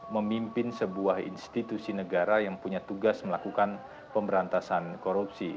memimpin sebuah institusi negara yang punya tugas melakukan pemberantasan korupsi